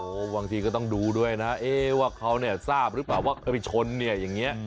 บางทีก็ต้องดูด้วยนะเอ๊ะว่าเขาเนี่ยทราบหรือเปล่าว่าไปชนเนี่ยอย่างนี้